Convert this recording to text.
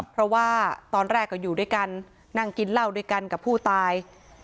เพราะว่าตอนแรกก็อยู่ด้วยกันนั่งกินเหล้าด้วยกันกับผู้ตาย